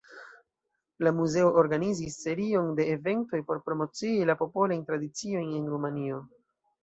La muzeo organizis serion de eventoj por promocii la Popolajn Tradiciojn en Rumanio.